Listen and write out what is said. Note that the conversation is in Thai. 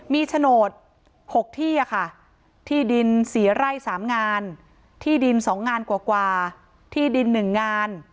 มีโฉนด๖ที่ที่ดิน๔ไร่๓งานที่ดิน๒งานกว่าที่ดิน๑งาน